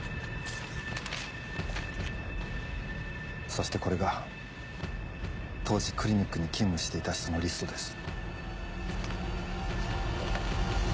そしてこれが当時クリニックに勤務していた人のリストです。